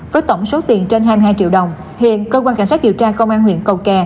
với tổng số tiền trên hai mươi hai triệu đồng hiện cơ quan cảnh sát điều tra công an huyện cầu kè